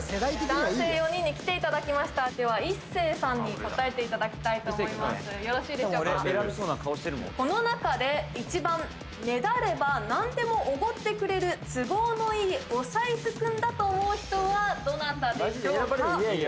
男性４人に来ていただきましたではいっせいさんに答えていただきたいと思いますよろしいでしょうか大丈夫ですこの中で１番ねだれば何でもおごってくれる都合のいいお財布くんだと思う人はどなたでしょうか？